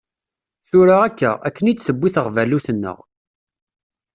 Tura akka, akken i d-tewwi teɣbalut-nneɣ.